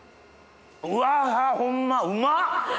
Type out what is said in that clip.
うわぁホンマうまっ！